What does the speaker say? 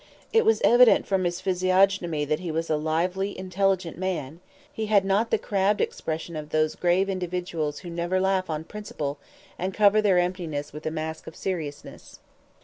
It was evident from his physiognomy that he was a lively, intelligent man; he had not the crabbed expression of those grave individuals who never laugh on principle, and cover their emptiness with a mask of seriousness.